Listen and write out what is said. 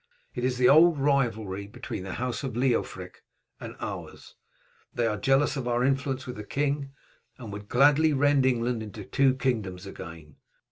It is the old rivalry between the House of Leofric and ours. They are jealous of our influence with the king, and would gladly rend England into two kingdoms again.